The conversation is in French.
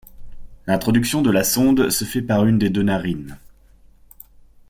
L'introduction de la sonde se fait par une des deux narines.